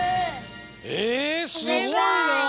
えすごいな！